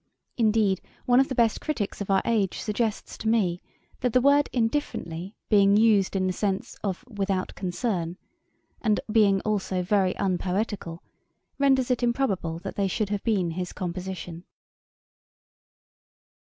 Indeed one of the best criticks of our age suggests to me, that 'the word indifferently being used in the sense of without concern' and being also very unpoetical, renders it improbable that they should have been his composition.